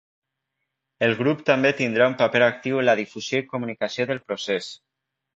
El grup també tindrà un paper actiu en la difusió i comunicació del procés.